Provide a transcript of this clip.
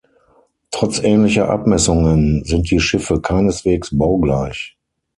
Trotz ähnlicher Abmessungen sind die Schiffe keineswegs baugleich.